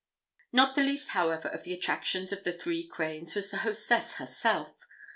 Not the least, however, of the attractions of the Three Cranes, was the hostess herself.